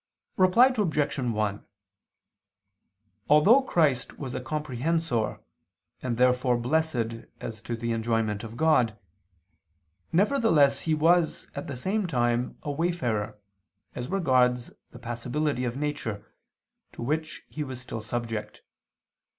Reply Obj. 1: Although Christ was a comprehensor and therefore blessed as to the enjoyment of God, nevertheless He was, at the same time, a wayfarer, as regards the passibility of nature, to which He was still subject.